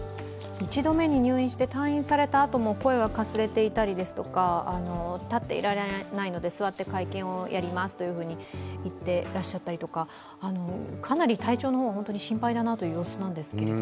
一度目に入院して退院されたあとも声がかすれていたり、立っていられないので座って会見をしますとおっしゃっていたりとか、かなり体調の方、本当に心配だなという様子なんですけど。